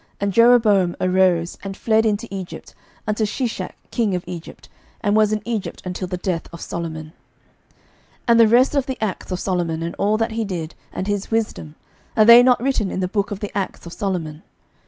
And Jeroboam arose, and fled into Egypt, unto Shishak king of Egypt, and was in Egypt until the death of Solomon. 11:011:041 And the rest of the acts of Solomon, and all that he did, and his wisdom, are they not written in the book of the acts of Solomon?